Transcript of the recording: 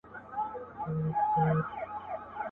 په کوټه کي یې وهلې خرچیلکي.